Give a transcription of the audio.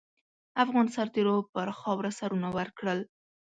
افغان سرتېرو پر خاوره سرونه ورکړل.